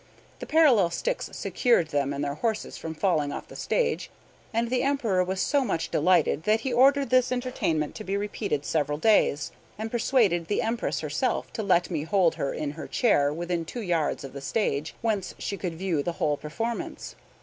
The parallel sticks secured them and their horses from falling off the stage, and the Emperor was so much delighted that he ordered this entertainment to be repeated several days, and persuaded the Empress herself to let me hold her in her chair within two yards of the stage, whence she could view the whole performance.